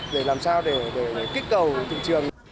để làm sao để kích cầu thị trường